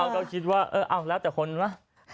ก็คิดว่าแล้วแต่คนไหม